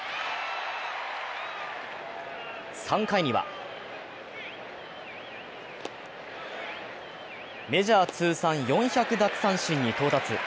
３回にはメジャー通算４００奪三振に到達。